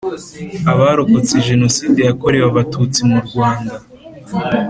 abarokotse Jenoside yakorewe Abatutsi murwanda